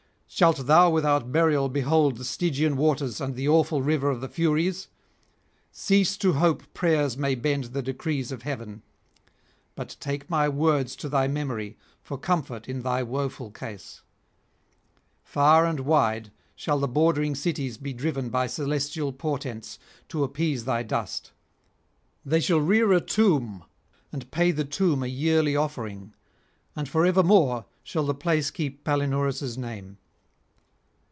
Shalt thou without burial behold the Stygian waters and the awful river of the Furies? Cease to hope prayers may bend the decrees of heaven. But take my words to thy memory, for comfort in thy woeful case: far and wide shall the bordering cities be driven by celestial portents to appease thy dust; they shall rear a tomb, and pay the tomb a yearly offering, and for evermore shall the place keep Palinurus' name.'